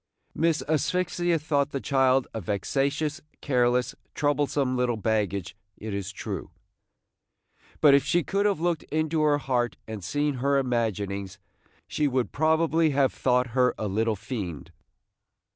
Miss Asphyxia thought the child a vexatious, careless, troublesome little baggage, it is true; but if she could have looked into her heart and seen her imaginings, she would probably have thought her a little fiend.